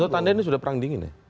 menurut anda ini sudah perang dingin ya